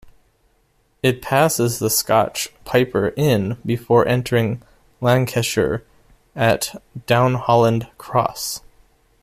It passes the Scotch Piper Inn before entering Lancashire at Downholland Cross.